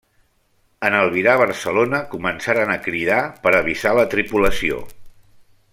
En albirar Barcelona, començaren a cridar per avisar la tripulació.